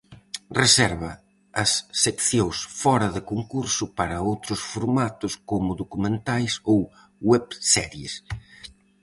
Reserva as seccións fóra de concurso para outros formatos como documentais ou webseries.